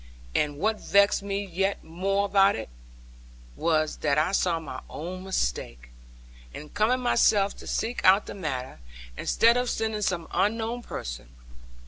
And what vexed me yet more about it was, that I saw my own mistake, in coming myself to seek out the matter, instead of sending some unknown person.